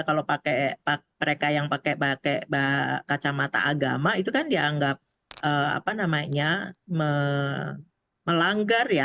kalau mereka yang pakai pakai kacamata agama itu kan dianggap melanggar ya